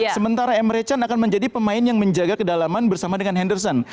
sementara emre can akan menjadi pemain yang menjaga kedalaman bersama dengan henderson